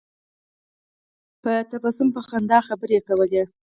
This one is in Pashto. په تبسم په خندا خبرې کولې.